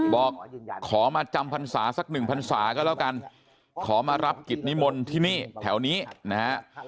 บอกขอมาจำพรรษาสักหนึ่งพันศาก็แล้วกันขอมารับกิจนิมนต์ที่นี่แถวนี้นะฮะ